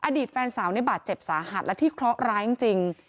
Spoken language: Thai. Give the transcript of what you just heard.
อดีตแฟนสาวในบาดเจ็บสาหัสและที่เคราะห์ร้ายจริง